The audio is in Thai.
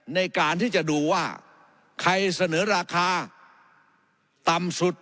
ในการที่จะดูว่าใครเสนอราคาต่ำสุด